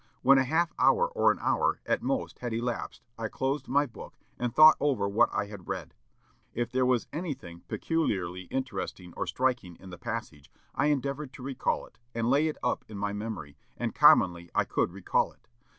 When a half hour or an hour, at most, had elapsed, I closed my book, and thought over what I had read. If there was anything peculiarly interesting or striking in the passage, I endeavored to recall it, and lay it up in my memory, and commonly I could recall it.